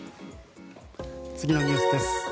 次のニュースです。